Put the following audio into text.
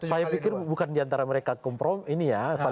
saya pikir bukan diantara mereka kompromi ini ya